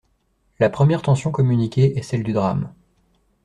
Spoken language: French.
La première tension communiquée est celle du drame.